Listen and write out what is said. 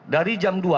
dari jam dua